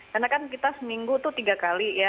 karena kan kita seminggu itu tiga kali ya